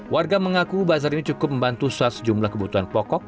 warga mengaku bazar ini cukup membantu sar sejumlah kebutuhan pokok